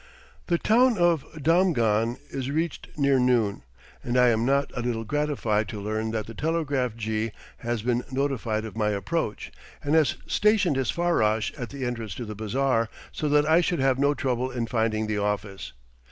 The town of Damghan is reached near noon, and I am not a little gratified to learn that the telegraph jee has been notified of my approach, and has stationed his farrash at the entrance to the bazaar, so that I should have no trouble in finding the office.